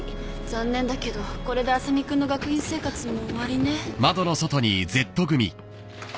残念だけどこれで麻実君の学院生活も終わりね。